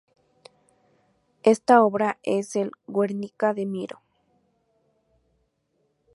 Esta obra es el "Guernica" de Miró.